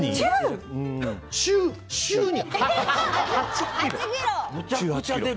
週に！？